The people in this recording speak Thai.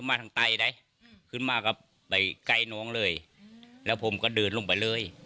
แต่คนที่พูดคนแรกคือลุงสมบัติ